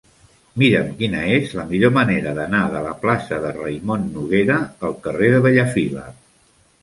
Mira'm quina és la millor manera d'anar de la plaça de Raimon Noguera al carrer de Bellafila.